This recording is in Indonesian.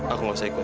aku gak usah ikut